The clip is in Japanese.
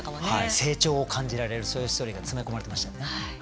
成長を感じられるそういうストーリーが詰め込まれてましたよね。